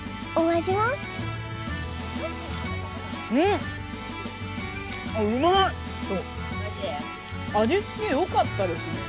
味つけよかったですね。